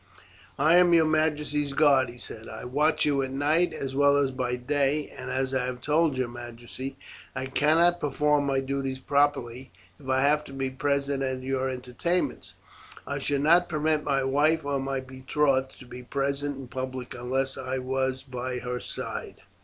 "I am your majesty's guard," he said. "I watch you at night as well as by day, and, as I have told your majesty, I cannot perform my duties properly if I have to be present at your entertainments. I should not permit my wife or my betrothed to be present in public unless I were by her side.